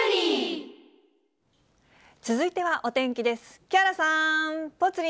続いてはお天気です。